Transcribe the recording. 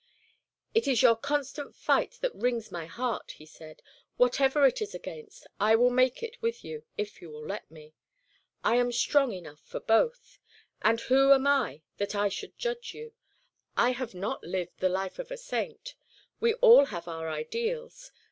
"It is your constant fight that wrings my heart," he said. "Whatever it is against, I will make it with you, if you will let me. I am strong enough for both. And who am I that I should judge you? I have not lived the life of a saint. We all have our ideals.